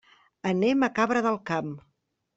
Anem a Cabra del Camp.